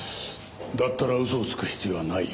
だったら嘘をつく必要はないよ。